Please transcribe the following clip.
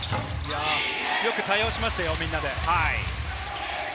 よく対応しましたよ、みんなで。